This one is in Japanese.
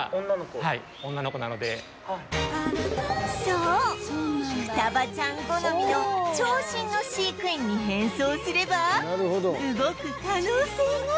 そうふたばちゃん好みの長身の飼育員に変装すれば動く可能性が